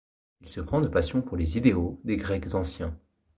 Il se prend de passion pour les idéaux des Grecs Anciens.